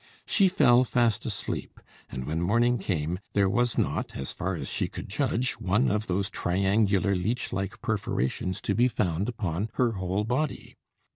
She fell fast asleep; and, when morning came, there was not, as far as she could judge, one of those triangular leech like perforations to be found upon her whole body.